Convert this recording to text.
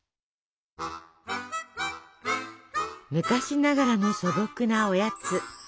昔ながらの素朴なおやつわらび餅。